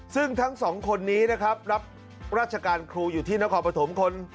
ซึ่งทั้งสองคนนี้นะครับรับราชการครูอยู่ที่นครปฐมคน